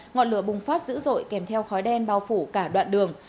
ngọn lửa bùng phát dữ dội kèm theo khói đen bao phủ cả đoạn đường